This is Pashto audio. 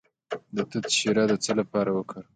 د توت شیره د څه لپاره وکاروم؟